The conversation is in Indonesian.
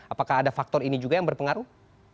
apakah ada faktor ini juga yang berpengaruh